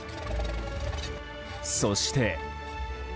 そして。